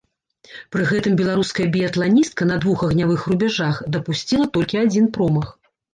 Пры гэтым беларуская біятланістка на двух агнявых рубяжах дапусціла толькі адзін промах.